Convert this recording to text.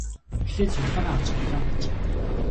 Эхлээд сугалаагаа авчих л даа гэжээ.